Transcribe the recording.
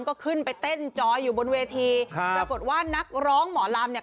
ก็ขึ้นไปเต้นจอยอยู่บนเวทีครับปรากฏว่านักร้องหมอลำเนี่ย